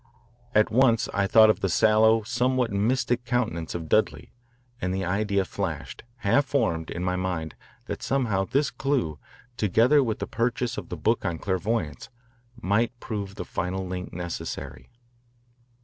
At once I thought of the sallow, somewhat mystic countenance of Dudley, and the idea flashed, half formed, in my mind that somehow this clue, together with the purchase of the book on clairvoyance, might prove the final link necessary.